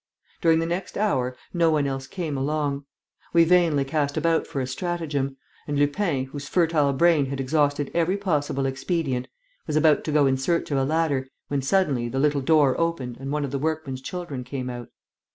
During the next hour, no one else came along. We vainly cast about for a stratagem; and Lupin, whose fertile brain had exhausted every possible expedient, was about to go in search of a ladder, when, suddenly, the little door opened and one of the workman's children came out.